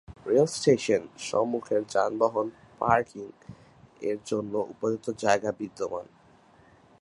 রেলস্টেশনের সম্মুখে যানবাহন পার্কিং এর জন্য উপযুক্ত জায়গা বিদ্যমান।